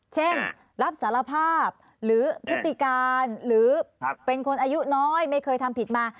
เช่นรับสารภาพหรือพฤติการหรือเป็นคนอายุน้อยไม่เคยทำผิดมา